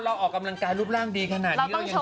ออกกำลังกายรูปร่างดีขนาดนี้เรายังไง